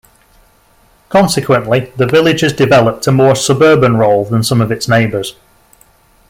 Consequently, the village has developed a more suburban role than some of its neighbours.